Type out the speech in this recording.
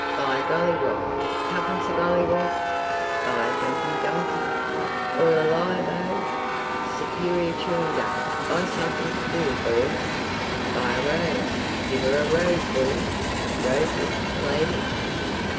"Buy a golliwog! Tuppence a golliwog!" "Buy a jumping donkey! All alive oh!" "Su perior chewing gum. Buy something to do, boys." "Buy a rose. Give 'er a rose, boy. Roses, lady?"